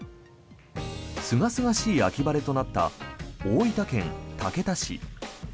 すがすがしい秋晴れとなった大分県竹田市。